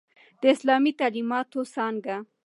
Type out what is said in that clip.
د اسلامی تعليماتو څانګه